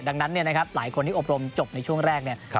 ดังนั้นหลายคนที่อบรมจบในช่วงแรก